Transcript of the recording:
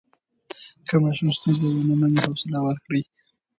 که ماشوم ستونزه ونه مني، حوصله ورکړئ.